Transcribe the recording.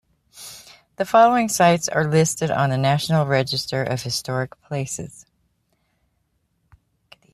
The following sites are listed on the National Register of Historic Places.